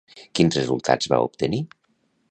Quins resultats va obtenir?